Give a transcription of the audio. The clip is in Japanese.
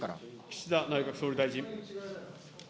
岸田内閣総理大臣。